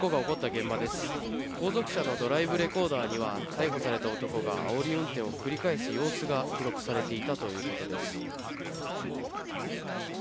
後続車のドライブレコーダーには逮捕された男があおり運転を繰り返す様子が記録されていたということです。